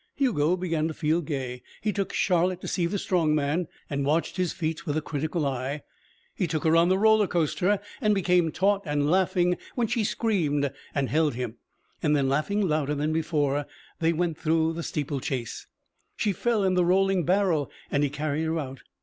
Hugo began to feel gay. He took Charlotte to see the strong man and watched his feats with a critical eye. He took her on the roller coaster and became taut and laughing when she screamed and held him. Then, laughing louder than before, they went through Steeplechase. She fell in the rolling barrel and he carried her out.